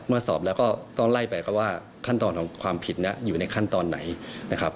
มาสอบแล้วก็ต้องไล่ไปครับว่าขั้นตอนของความผิดนะอยู่ในขั้นตอนไหนนะครับ